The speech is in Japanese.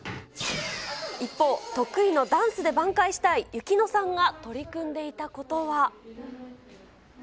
一方、得意のダンスで挽回したいユキノさんが取り組んでいたことは。